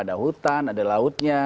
ada hutan ada lautnya